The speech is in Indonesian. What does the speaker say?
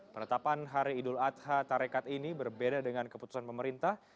penetapan hari idul adha tarekat ini berbeda dengan keputusan pemerintah